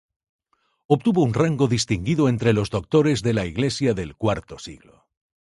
Obtuvo un rango distinguido entre los doctores de la Iglesia del cuarto siglo.